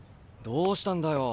どうしたんだよ。